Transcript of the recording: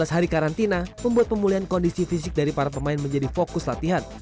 tujuh belas hari karantina membuat pemulihan kondisi fisik dari para pemain menjadi fokus latihan